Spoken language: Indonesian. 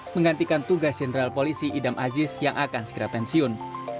menggantikan tugas jenderal polisi idam aziz yang akan segera pensiun